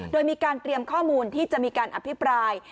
โดยมีการเตรียมข้อมูลที่จะมีการอภิปราย